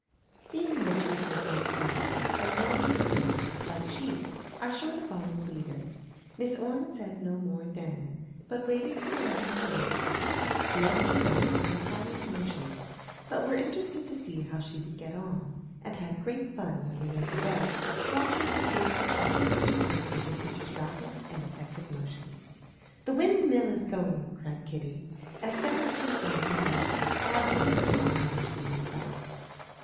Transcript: Seeing that she had made one convert, and knowing that girls, like sheep, are sure to follow a leader, Miss Orne said no more then, but waited for the leaven to work. The others called it one of Sally's notions, but were interested to see how she would get on, and had great fun, when they went to bed, watching her faithful efforts to imitate her teacher's rapid and effective motions. "The wind mill is going!" cried Kitty, as several of them sat on the bed, laughing at the long arms swinging about.